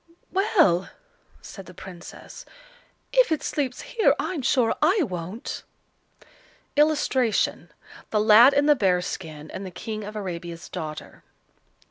"Well!" said the Princess, "if it sleeps here, I'm sure I won't." [Illustration: The Lad in the Bear's skin, and the King of Arabia's daughter.